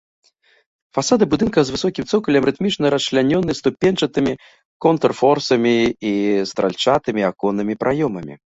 Фасады будынка з высокім цокалем рытмічна расчлянёны ступеньчатымі контрфорсамі і стральчатымі аконнымі праёмамі.